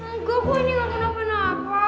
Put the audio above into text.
ngguh gue ini gak kenapa kenapa